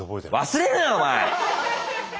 忘れるなよお前！